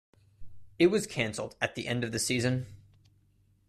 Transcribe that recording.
It was cancelled at the end of the season.